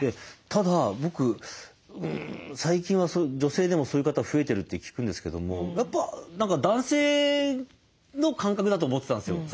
ただ僕最近は女性でもそういう方増えてるって聞くんですけどもやっぱ何か男性の感覚だと思ってたんですよ。